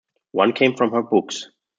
One came from her books.